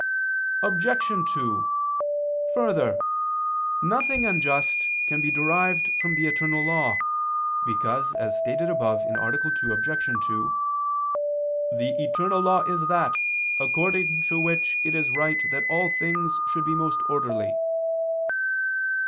Obj. 2: Further, nothing unjust can be derived from the eternal law, because, as stated above (A. 2, Obj. 2), "the eternal law is that, according to which it is right that all things should be most orderly."